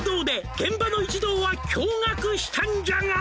「現場の一同は驚愕したんじゃが」